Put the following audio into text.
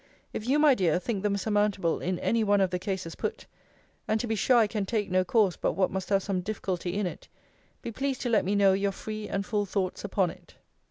If you, my dear, think them surmountable in any one of the cases put, [and to be sure I can take no course, but what must have some difficulty in it,] be pleased to let me know your free and full thoughts upon it.